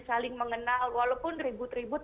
saling mengenal walaupun ribut ribut